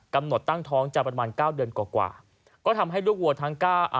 กำหนดตั้งท้องจะประมาณเก้าเดือนกว่ากว่าก็ทำให้ลูกวัวทั้งก้าอ่ะ